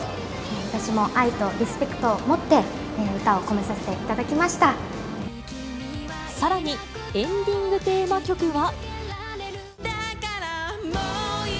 私も愛とリスペクトを持って、さらに、エンディングテーマ曲は。